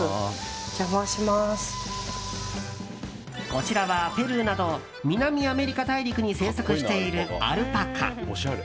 こちらはペルーなど南アメリカ大陸に生息しているアルパカ。